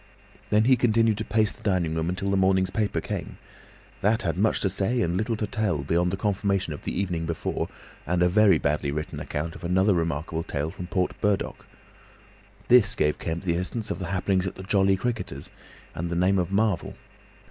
Then he continued to pace the dining room until the morning's paper came. That had much to say and little to tell, beyond the confirmation of the evening before, and a very badly written account of another remarkable tale from Port Burdock. This gave Kemp the essence of the happenings at the "Jolly Cricketers," and the name of Marvel.